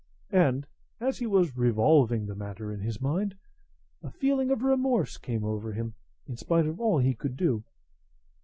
and as he was revolving the matter in his mind, a feeling of remorse came over him, in spite of all he could do.